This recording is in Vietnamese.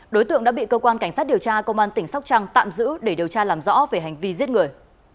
đối tượng đã bị cơ quan cảnh sát điều tra công an tỉnh sóc trăng tạm giữ để điều tra làm rõ về hành vi giết người